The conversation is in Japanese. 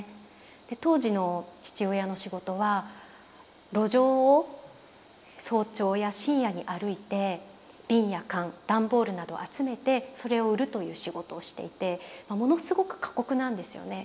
で当時の父親の仕事は路上を早朝や深夜に歩いてビンや缶段ボールなどを集めてそれを売るという仕事をしていてものすごく過酷なんですよね。